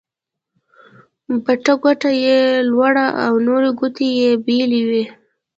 بټه ګوته يي لوړه او نورې ګوتې يې بېلې وې.